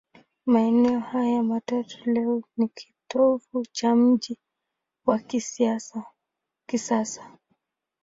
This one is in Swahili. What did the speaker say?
Maeneo hayo matatu leo ni kitovu cha mji wa kisasa.